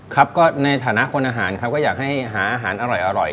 ครับก็ในฐานะคนอาหารครับก็อยากให้หาอาหารอร่อย